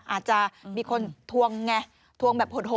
อาจจะมีคนทวงไงทวงแบบโหด